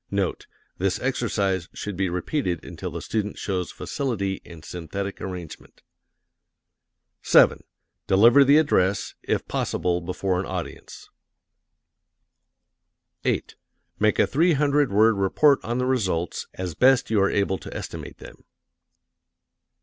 NOTE: This exercise should be repeated until the student shows facility in synthetic arrangement. 7. Deliver the address, if possible before an audience. 8. Make a three hundred word report on the results, as best you are able to estimate them.